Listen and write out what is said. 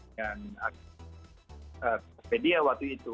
dan wikipedia waktu itu